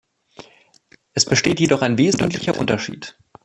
Es besteht jedoch ein wesentlicher Unterschied.